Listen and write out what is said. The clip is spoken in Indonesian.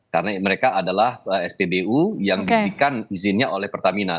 karena mereka adalah spbu yang diberikan izinnya oleh pertamina